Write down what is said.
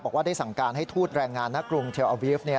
บอกว่าได้สั่งการให้ทูตแรงงานณกรุงเทียวอัลวิฟต์